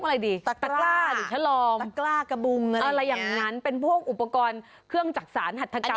อะไรตะกร้าตะกร้ากระบุ้งอะไรอย่างนั้นเป็นพวกอุปกรณ์เครื่องจักษรหัฐกรรมบ้านเรา